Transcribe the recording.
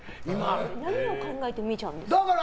何を考えて見ちゃうんですか？